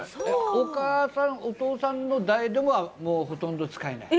お母さんお父さんの代ではもうほとんど使えない。